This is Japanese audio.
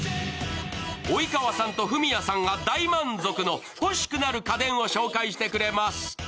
及川さんと文哉さんが大満足の、欲しくなる家電を紹介してくれます。